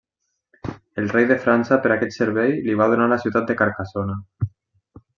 El rei de França per aquest servei li va donar la ciutat de Carcassona.